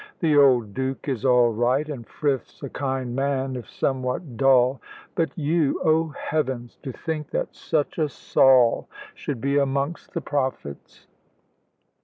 "The old Duke is all right, and Frith's a kind man, if somewhat dull. But you oh heavens! to think that such a Saul should be amongst the prophets."